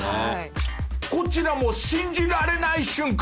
こちらも信じられない瞬間。